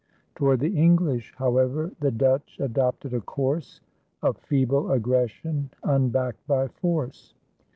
Toward the English, however, the Dutch adopted a course of feeble aggression unbacked by force.